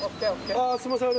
ああすいません